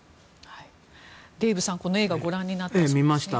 デーブさんこの映画ご覧になりました？